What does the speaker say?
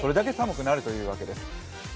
それだけ寒くなるというわけです。